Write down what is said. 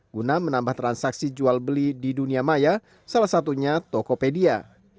guna menambah transaksi jual beli di dunia maya salah satunya tokopedia